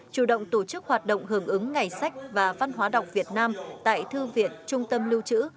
chủ động tổ chức hoạt động hưởng ứng ngày sách và văn hóa đọc việt nam tại thư viện trung tâm lưu trữ